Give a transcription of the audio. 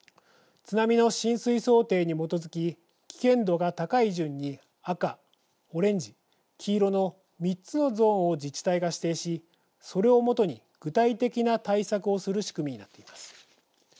津波の浸水想定に基づき危険度が高い順に赤オレンジ、黄色の３つのゾーンを自治体が指定しそれを基に具体的な対策をする仕組みになっています。